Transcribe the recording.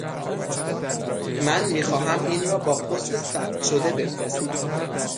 من می خواهم این را با پست ثبت شده بفرستم.